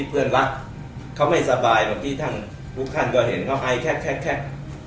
เค้าไม่สบายเมื่อกี้ทางภูเขาเขมก็เห็นเค้าอายแคก